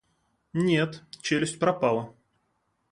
Нет, челюсть пропала.